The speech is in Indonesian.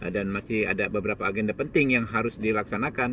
dan masih ada beberapa agenda penting yang harus dilaksanakan